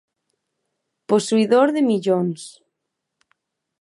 Posuidor de millóns.